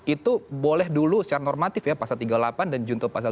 itu boleh dulu secara normatif ya pasal tiga puluh delapan dan junto pasal dua puluh